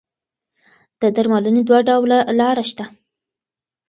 د درملنې دوه ډوله لاره شته.